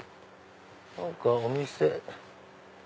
何かお店。